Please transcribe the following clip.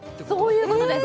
そういうことです